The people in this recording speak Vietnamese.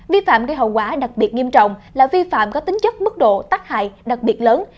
vi phạm gây hậu quả đặc biệt nghiêm trọng là vi phạm có tính chất mức độ tác hại đặc biệt lớn